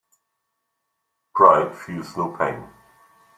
Pride feels no pain.